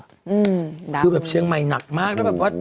อืมดับหน่อยคือแบบเชียงใหม่หนักมากแล้วแบบว่า